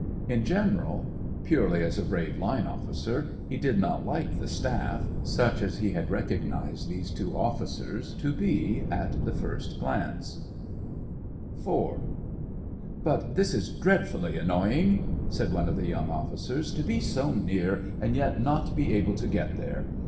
In general, purely as a brave " line " otficer, he did not like "the staff," such as he had recognized these two officers to be at the first glance. 138 SEVASTOPOL IN AUGUST. IV. " But this is dreadfully annoying," said one of the young officers, ^*to be so near, and yet not be able to get there.